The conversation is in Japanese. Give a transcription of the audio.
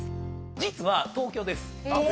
実は東京です。